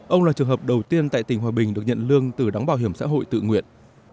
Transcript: ông là trường hợp đầu tiên tại tỉnh hòa bình được nhận lương từ đóng bảo hiểm xã hội tự nguyện